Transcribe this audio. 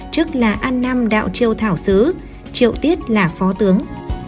chức là an nam đạo chiêu thảo sứ triệu tiết là phó tướng